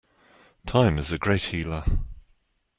Time is a great healer.